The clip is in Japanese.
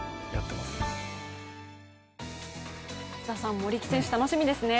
森木選手楽しみですね。